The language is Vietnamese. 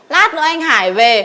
lát nữa anh hải về